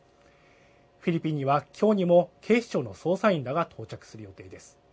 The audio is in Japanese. フィリピンにはきょうにも、警視庁の捜査員らが到着する予定です。